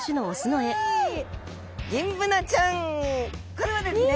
これはですね。